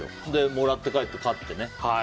もらって帰って、飼って。